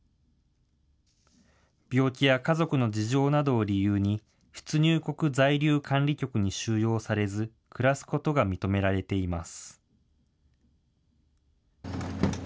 病気や家族の事情などを理由に、出入国在留管理局に収容されず、暮らすことが認められています。